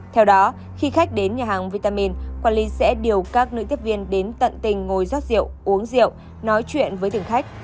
theo đó khi khách đến nhà hàng vitamin quản lý sẽ điều các nữ tiếp viên đến tận tình ngồi giót rượu uống rượu nói chuyện với thực khách